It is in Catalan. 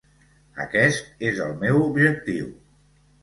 Aquest és el meu objectiu.